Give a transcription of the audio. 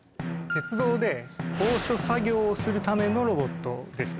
鉄道で高所作業をするためのロボットです。